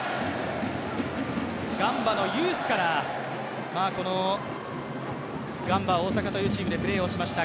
ガンバのユースからガンバ大阪というチームでプレーしました。